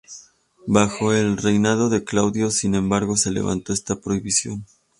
Bajo el reinado de Claudio, sin embargo, se levantó esta prohibición.